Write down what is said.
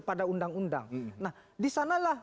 pada undang undang nah di sanalah